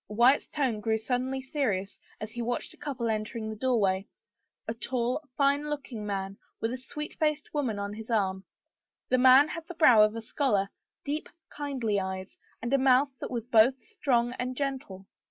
Wyatt's tone grew suddenly serious as he watched a couple entering the doorway, a tall, fine look ing man with a sweet faced woman on his arm. The man had the brow of a scholar, deep, kindly eyes, and a mouth that was both strong and gentle.